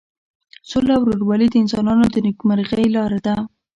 سوله او ورورولي د انسانانو د نیکمرغۍ لاره ده.